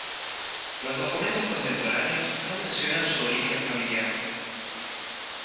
Los documentos contemporáneos no mencionan su origen familiar.